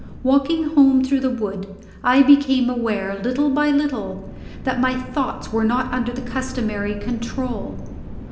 Walking home through the wood, I became aware, little by little, that my thoughts were not under the customary control.